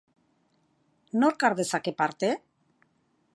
Nork har dezake parte?